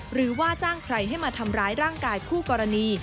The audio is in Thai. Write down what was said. หรือว่าจ้างใครให้มาทำร้ายร่างกายคู่กรณี